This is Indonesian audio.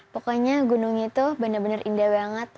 pokoknya gunung itu benar benar indah banget